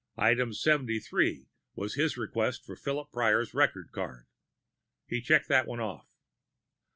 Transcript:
Item seventy three was his request for Philip Prior's record card. He checked that one off.